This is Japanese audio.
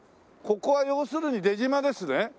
ここは要するに出島ですね？